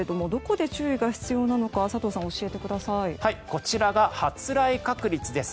こちらが発雷確率です。